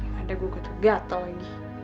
mana gue ketuk gatel lagi